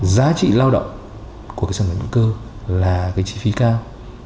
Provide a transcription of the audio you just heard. giá trị lao động của cái sản phẩm hữu cơ là cái chi phí cao